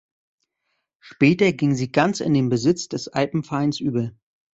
Später ging sie ganz in den Besitz des Alpenvereins über.